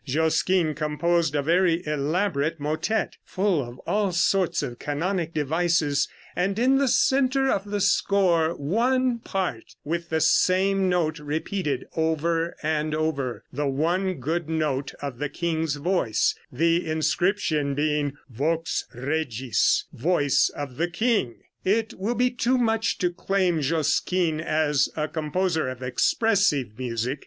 Josquin composed a very elaborate motette, full of all sorts of canonic devices, and in the center of the score one part with the same note repeated over and over, the one good note of the king's voice the inscription being "Vox regis" ("voice of the king"). It will be too much to claim Josquin as a composer of expressive music.